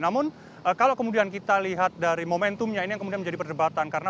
namun kalau kemudian kita lihat dari momentumnya ini yang kemudian menjadi perdebatan